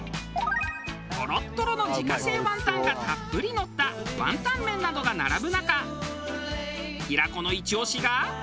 トロットロの自家製ワンタンがたっぷりのったワンタンメンなどが並ぶ中平子のイチ押しが。